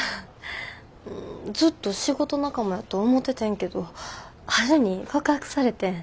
ずっと仕事仲間やと思っててんけど春に告白されてん。